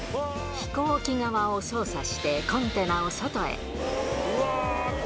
飛行機側を操作して、コンテナを外へ。